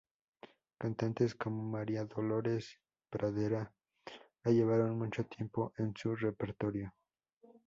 Cantantes como María Dolores Pradera la llevaron mucho tiempo en su repertorio.